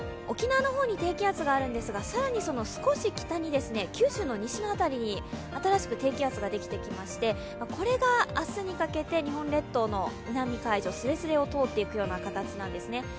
沖縄の方に低気圧があるんですが更にその少し北に九州の西の辺りに新しく低気圧ができてきまして、これが明日にかけて日本列島の南海上すれすれを通っていきそうなんですね。